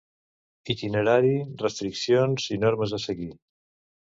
Itinerari, restriccions i normes a seguir.